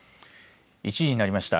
１時になりました。